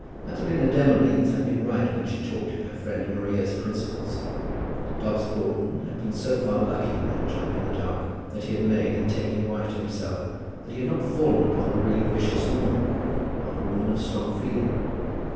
Madalina Demolines had been right when she talked of her friend Maria's principles. Dobbs Broughton had been so far lucky in that jump in the dark which he had made in taking a wife to himself, that he had not fallen upon a really vicious woman, or upon a woman of strong feeling.